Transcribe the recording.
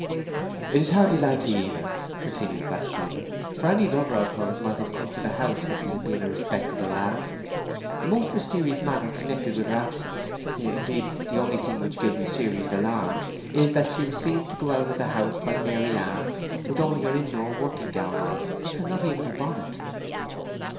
"It is hardly likely, either," continued Bathsheba. "For any lover of hers might have come to the house if he had been a respectable lad. The most mysterious matter connected with her absence—indeed, the only thing which gives me serious alarm—is that she was seen to go out of the house by Maryann with only her indoor working gown on—not even a bonnet."